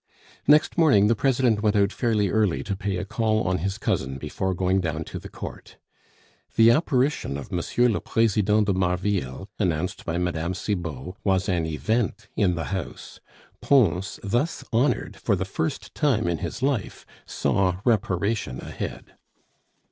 Next morning the President went out fairly early to pay a call on his cousin before going down to the court. The apparition of M. le President de Marville, announced by Mme. Cibot, was an event in the house. Pons, thus honored for the first time in his life saw reparation ahead.